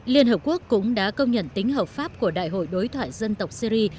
liên hợp quốc cũng đã công nhận tính hợp pháp của đại hội đối thoại dân tộc syri